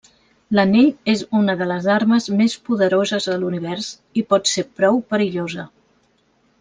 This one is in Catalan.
L'anell és una de les armes més poderoses de l'univers i pot ser prou perillosa.